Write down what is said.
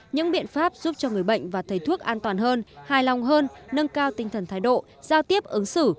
những biện pháp giúp cho người bệnh và thấy thuốc an toàn hơn hài lòng hơn nâng cao tinh thần thái độ giao tiếp ứng xử